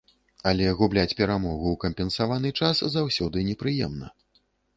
Але губляць перамогу ў кампенсаваны час заўсёды непрыемна.